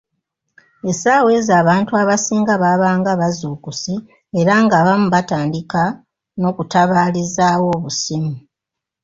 Essaawa ezo abantu abasinga baabanga bazuukuse era ng'abamu batandika n'okutabaalizaawo obusimu.